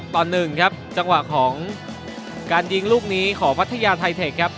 ต่อ๑ครับจังหวะของการยิงลูกนี้ของพัทยาไทเทคครับ